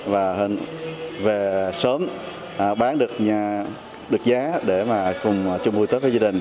và hãy về sớm bán được giá để cùng chung vui